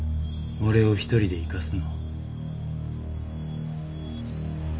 俺を１人で行かすの？